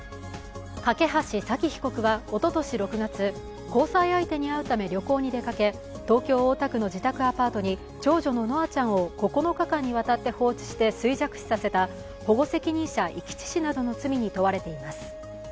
梯沙希被告はおととし６月交際相手に会うため旅行に出かけ、東京・大田区の自宅アパートに長女の稀華ちゃんを９日間にわたって放置して衰弱死させた保護責任者遺棄致死などの罪に問われています。